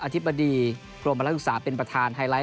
ธิบดีกรมนักศึกษาเป็นประธานไฮไลท